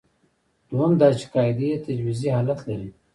دویم دا چې قاعدې تجویزي حالت لري.